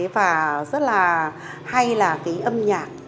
và rất là hay là cái âm nhạc